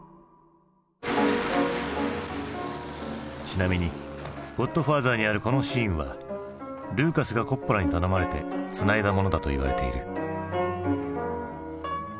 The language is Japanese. ちなみに「ゴッドファーザー」にあるこのシーンはルーカスがコッポラに頼まれてつないだものだといわれている。